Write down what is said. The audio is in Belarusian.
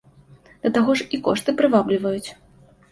Да таго ж, і кошты прывабліваюць.